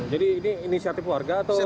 jadi ini sebuah bendera yang terlipat